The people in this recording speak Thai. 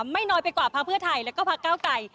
ไม่น้อยไปกว่าพักเพื่อไทยแล้วก็พักเก้าไก่